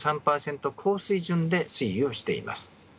高水準で推移をしています。